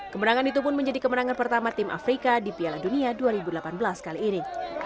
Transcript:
kemenangan itu pun menjadi kemenangan pertama tim afrika di piala dunia dua ribu delapan belas kali ini